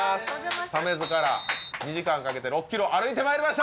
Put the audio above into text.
鮫洲から２時間かけて６ｋｍ歩いてまいりました！